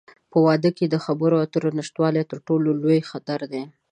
په واده کې د خبرو اترو نشتوالی، تر ټولو لوی خطر دی.